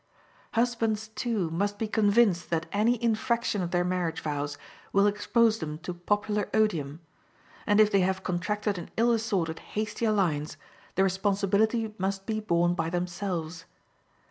Husbands, too, must be convinced that any infraction of their marriage vows will expose them to popular odium; and if they have contracted an ill assorted, hasty alliance, the responsibility must be borne by themselves.